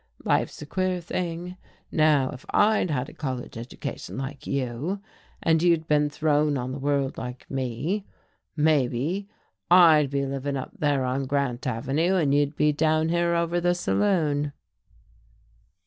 "Life's a queer thing. Now if I'd had a college education, like you, and you'd been thrown on the world, like me, maybe I'd be livin' up there on Grant Avenue and you'd be down here over the saloon."